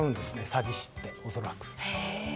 詐欺師って恐らく。